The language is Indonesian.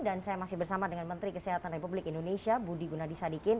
dan saya masih bersama dengan menteri kesehatan republik indonesia budi gunadisadikin